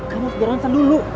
kamu harus berjalan sedulu